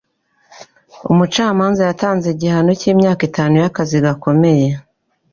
Umucamanza yatanze igihano cy'imyaka itanu y'akazi gakomeye.